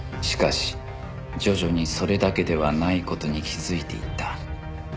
しかし徐々にそれだけではない事に気づいていった